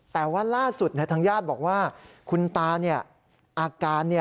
แต่ว่าล่าสุดทางญาติบอกว่าคุณตาอาการ